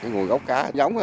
người gốc cá giống á